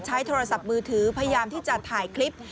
ใช้โทรศัพท์มือถือพยายามที่จะถ่ายคลิป